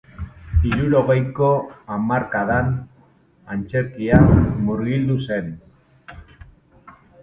Hirurogeiko hamarkadan antzerkian murgildu zen.